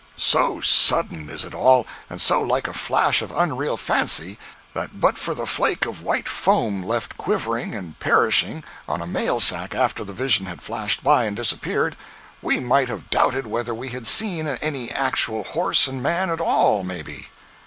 072.jpg (33K) So sudden is it all, and so like a flash of unreal fancy, that but for the flake of white foam left quivering and perishing on a mail sack after the vision had flashed by and disappeared, we might have doubted whether we had seen any actual horse and man at all, maybe.